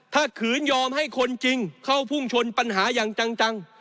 ถ้าขืนยอมให้คนจริงเข้าพุ่งชนปัญหาอย่างจัง